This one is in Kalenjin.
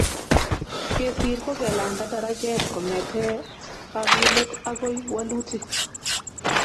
Kesir ko kelanda darachet kongete kakilet agoi walutik